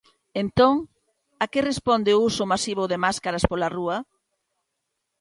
Entón, a que responde o uso masivo de máscaras pola rúa?